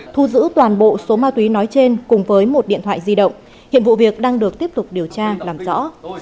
thu giữ toàn bộ số ma túy nói trên cùng với một điện thoại di động hiện vụ việc đang được tiếp tục điều tra làm rõ